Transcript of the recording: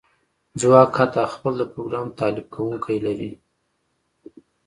ځواک حتی خپل د پروګرام تالیف کونکی لري